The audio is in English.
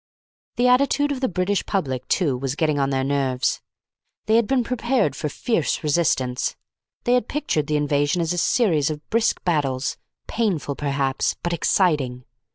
The attitude of the British public, too, was getting on their nerves. They had been prepared for fierce resistance. They had pictured the invasion as a series of brisk battles painful perhaps, but exciting.